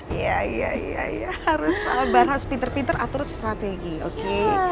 iya iya iya harus sabar harus pinter pinter atur strategi oke